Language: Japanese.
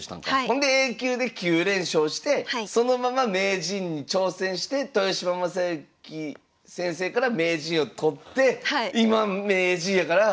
ほんでＡ級で９連勝してそのまま名人に挑戦して豊島将之先生から名人を取って今名人やから。